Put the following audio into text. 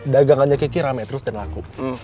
dagangannya kiki rame terus dan laku